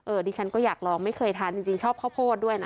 ดิฉันก็อยากลองไม่เคยทานจริงชอบข้าวโพดด้วยนะ